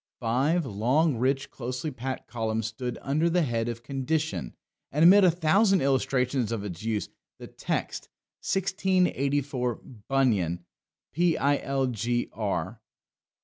Five long, rich, closely packed columns stood under the head of "Condition"; and amid a thousand illustrations of its use, the text: "1684, Bunyan, Pilgr.